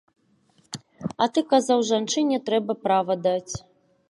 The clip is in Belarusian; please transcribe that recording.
А ты казаў жанчыне трэба права даць.